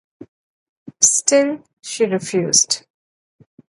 Still, she refused.